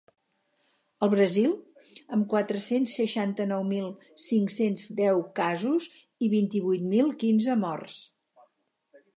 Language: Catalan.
El Brasil, amb quatre-cents seixanta-nou mil cinc-cents deu casos i vint-i-vuit mil quinze morts.